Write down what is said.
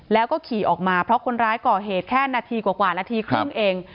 แล้วก็ขี่ออกมาเพราะคนร้ายก่อเหตุแค่นาทีกว่านาทีครึ่งเอง